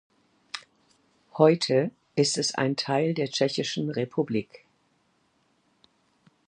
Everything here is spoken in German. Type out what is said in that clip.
Heute ist es ein Teil der tschechischen Republik.